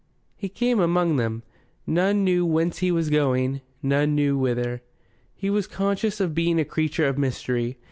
He came among them, none knew whence he was going, none knew whither. He was conscious of being a creature of mystery.